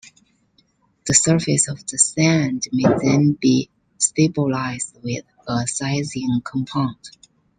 The surface of the sand may then be stabilized with a sizing compound.